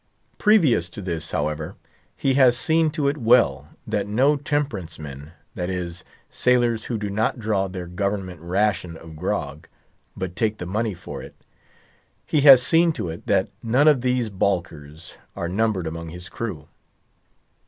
Previous to this, however, he has seen to it well, that no Temperance men—that is, sailors who do not draw their government ration of grog, but take the money for it—he has seen to it, that none of these balkers are numbered among his crew.